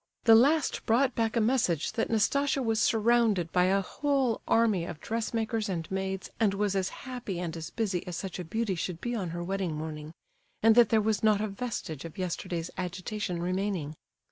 The last brought back a message that Nastasia was surrounded by a whole army of dressmakers and maids, and was as happy and as busy as such a beauty should be on her wedding morning, and that there was not a vestige of yesterday's agitation remaining.